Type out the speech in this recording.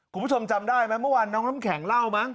คุณผู้ชมจำได้ไหมเมื่อวานน้องน้ำแข็งเล่ามั้